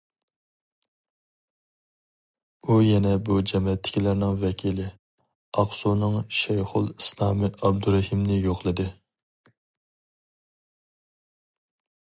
ئۇ يەنە بۇ جەمەتتىكىلەرنىڭ ۋەكىلى، ئاقسۇنىڭ شەيخۇلئىسلامى ئابدۇرەھىمنى يوقلىدى.